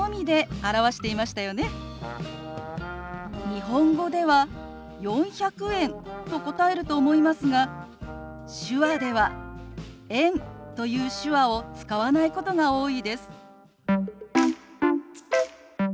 日本語では「４００円」と答えると思いますが手話では「円」という手話を使わないことが多いです。